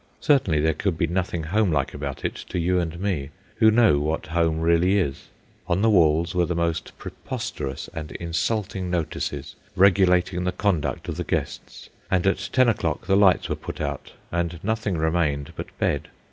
Certainly there could be nothing home like about it to you and me, who know what home really is. On the walls were the most preposterous and insulting notices regulating the conduct of the guests, and at ten o'clock the lights were put out, and nothing remained but bed.